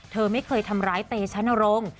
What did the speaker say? เธอไม่เคยทำร้ายเตชะนรงค์